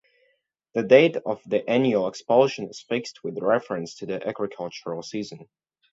The date of the annual expulsion is fixed with reference to the agricultural season.